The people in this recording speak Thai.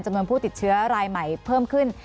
จำนวนผู้ติดเชื้อรายใหม่เพิ่มขึ้น